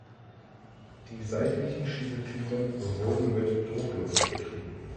Die seitlichen Schiebetüren wurden mit Druckluft betrieben.